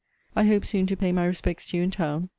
I hope soon to pay my respects to you in town.